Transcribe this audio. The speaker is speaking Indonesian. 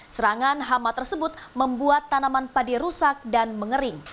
serangan hama tersebut membuat tanaman padi rusak dan mengering